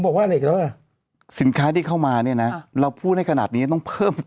บอกว่าเห็นแล้วนะคะสินค้าได้เข้ามาเนี่ยนะเราพูดให้ขนาดนี้ต้องเพิ่มเงินใน